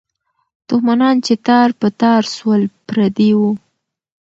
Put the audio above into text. دښمنان چې تار په تار سول، پردي وو.